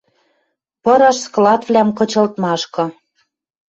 Пыраш складвлӓм кычылтмашкы